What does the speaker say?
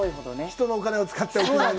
人のお金を使って。